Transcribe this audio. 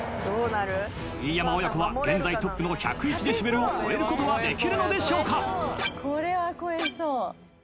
新山親子は現在トップの１０１デシベルを超えることはできるのでしょうか